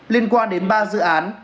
liên quan đến ba dự án